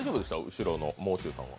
後ろのもう中さんは？